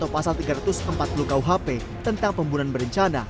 pasal tiga ratus empat puluh kuhp tentang pembunuhan berencana